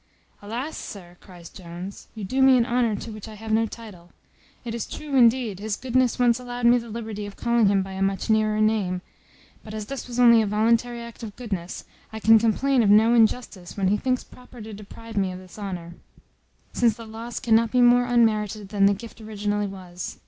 "Alas, sir," cries Jones, "you do me an honour to which I have no title. It is true, indeed, his goodness once allowed me the liberty of calling him by a much nearer name; but as this was only a voluntary act of goodness, I can complain of no injustice when he thinks proper to deprive me of this honour; since the loss cannot be more unmerited than the gift originally was.